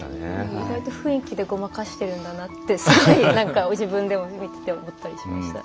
意外と雰囲気でごまかしているんだなってすごい何か自分でも見てて思ったりしましたね。